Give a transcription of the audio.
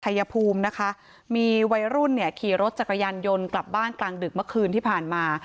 ชายภูมินะคะมีวัยรุ่นเนี่ยขี่รถจักรยานยนต์กลับบ้านกลางดึกเมื่อคืนที่ผ่านมา